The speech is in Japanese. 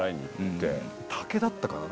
竹だったかな？